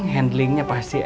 handlingnya pasti enakan